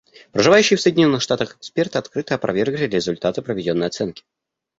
Проживающие в Соединенных Штатах эксперты открыто опровергли результаты проведенной оценки.